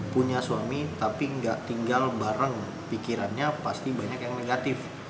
punya suami tapi nggak tinggal bareng pikirannya pasti banyak yang negatif